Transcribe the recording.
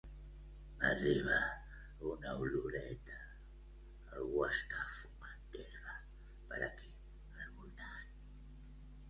M'arriba una oloreta, algú està fumant herba per aquí el voltant